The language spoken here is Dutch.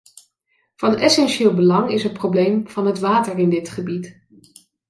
Van essentieel belang is het probleem van het water in dit gebied.